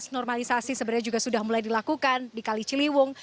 normalisasi sebenarnya juga sudah mulai dilakukan di kali ciliwung